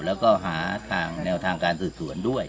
แล้วก็หาทางแนวทางการสืบสวนด้วย